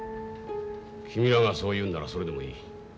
君らがそう言うんならそれでもいい。